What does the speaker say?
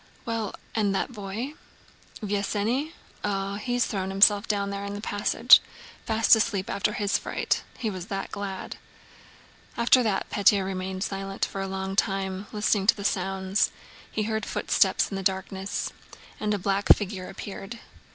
"Well, and that boy?" "Vesénny? Oh, he's thrown himself down there in the passage. Fast asleep after his fright. He was that glad!" After that Pétya remained silent for a long time, listening to the sounds. He heard footsteps in the darkness and a black figure appeared.